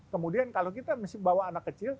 kemudian kalau kita mesti bawa anak kecil